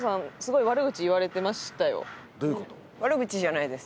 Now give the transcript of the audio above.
悪口じゃないです。